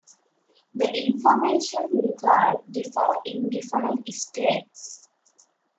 The information required differ in different states.